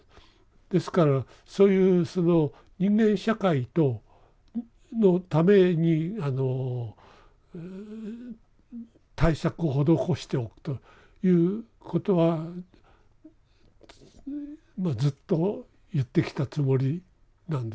ですからそういうその人間社会のために対策を施しておくということはまあずっと言ってきたつもりなんです。